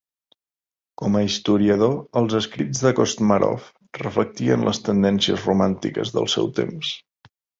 Com a historiador, els escrits de Kostomarov reflectien les tendències romàntiques del seu temps.